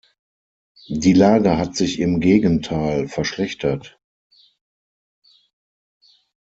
Die Lage hat sich im Gegenteil verschlechtert.